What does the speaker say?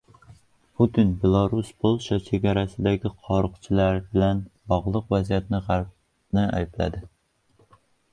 Putin Belarus-Polsha chegarasidagi qochqinlar bilan bog‘liq vaziyatda G‘arbni aybladi